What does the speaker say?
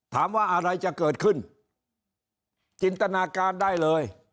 ถามว่าอะไรจะเกิดขึ้นจินตนาการได้เลย